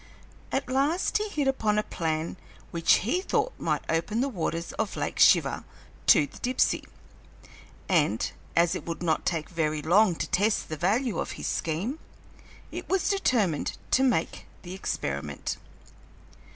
At last he hit upon a plan which he thought might open the waters of Lake Shiver to the Dipsey, and, as it would not take very long to test the value of his scheme, it was determined to make the experiment.